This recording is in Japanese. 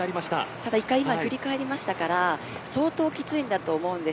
今１回振り返りましたから相当きついんだと思います。